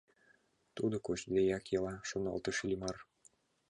«Тудо кочдеак ила», — шоналтыш Иллимар.